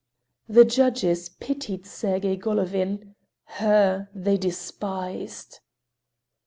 The judges pitied Sergey Golovin; her they despised.